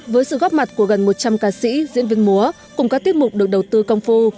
với sự góp mặt của gần một trăm linh ca sĩ diễn viên múa cùng các tiết mục được đầu tư công phu